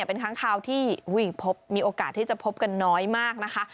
เป็นค้างคาวที่มีโอกาสที่จะพบกันน้อยมากนะคะ